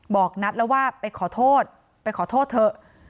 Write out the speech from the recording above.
บอกนัทแล้วว่าไปขอโทษไปขอโทษเถอะ